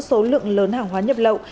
số lượng lớn hàng hóa nhập lậu